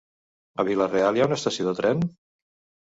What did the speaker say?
A Vila-real hi ha estació de tren?